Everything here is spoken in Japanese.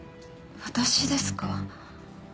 私ですか？